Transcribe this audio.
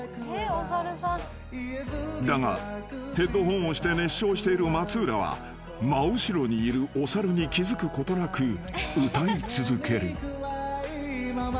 ［だがヘッドホンをして熱唱している松浦は真後ろにいるお猿に気付くことなく歌い続ける］